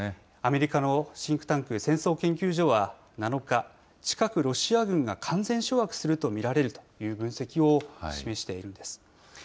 アメリカのシンクタンク、戦争研究所は７日、近くロシア軍が完全掌握すると見られるという分析を示しているんです。